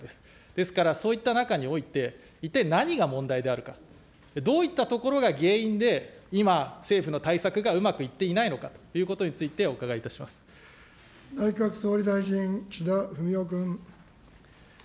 ですから、そういった中において一体何が問題であるかと、どういったところが原因で今、政府の対策がうまくいっていないのかとい内閣総理大臣、岸田文雄君。